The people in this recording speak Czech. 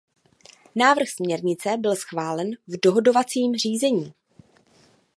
Návrh směrnice byl schválen v dohodovacím řízení.